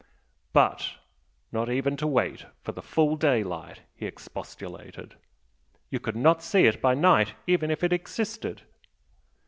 "But not even to wait for the full daylight!" he expostulated "You could not see it by night even if it existed!"